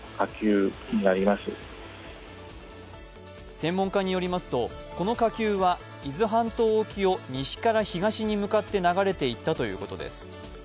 専門家によりますと、この火球は伊豆半島沖を西から東に向かって流れていったということです。